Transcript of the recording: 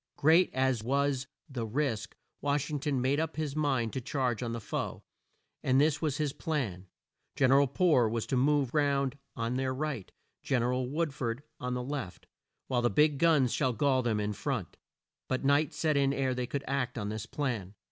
Great as was the risk, Wash ing ton made up his mind to charge on the foe, and this was his plan: Gen er al Poor was to move round on their right, Gen er al Wood ford on the left, while the big field guns should gall them in front. But night set in ere they could act on this plan.